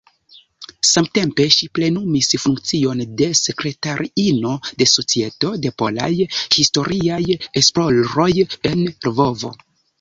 Samtempe ŝi plenumis funkcion de sekretariino de Societo de Polaj Historiaj Esploroj en Lvovo.